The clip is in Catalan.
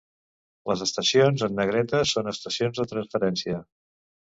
Les estacions en negreta són estacions de transferència.